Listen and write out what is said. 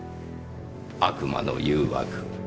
悪魔の誘惑。